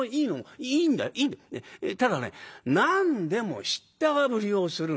ただね何でも知ったかぶりをするんだ。